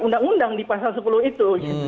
undang undang di pasal sepuluh itu